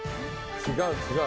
違う違う。